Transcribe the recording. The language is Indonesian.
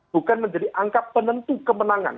bukan menjadi angka penentu kemenangan